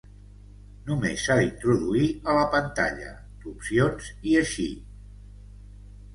Només s'ha d'introduir a la pantalla d'opcions i eixir.